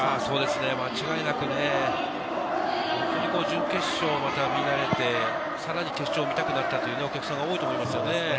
間違いなくね、準決勝を見られて、さらに決勝を見たくなったというお客さんが多いと思います。